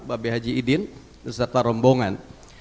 babe haji idin beserta rombongan